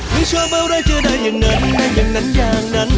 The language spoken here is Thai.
ไม่ชอบอะไรเจอได้อย่างนั้นได้อย่างนั้นอย่างนั้น